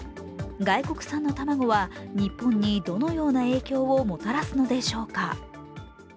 外国産の卵は日本にどのような影響をもたらすのでしょうか。